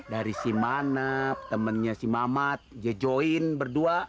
dari si manap temennya si mamat dia join berdua